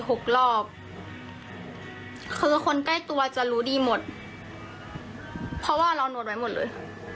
หกรอบคือคนใกล้ตัวจะรู้ดีหมดเพราะว่าเรานวดไว้หมดเลย